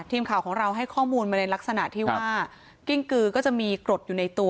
ทีมข่าวของเราให้ข้อมูลมาในลักษณะที่ว่ากิ้งกือก็จะมีกรดอยู่ในตัว